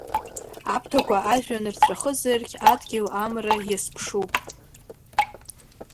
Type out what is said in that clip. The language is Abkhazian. Аԥҭақәа ажәҩан рҵәахызаргь, адгьыл амра иазԥшуп.